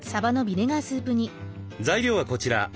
材料はこちら。